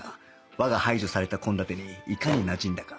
和が排除された献立にいかになじんだか